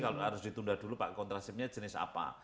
kalau harus ditunda dulu pakai kontrasepsi jenis apa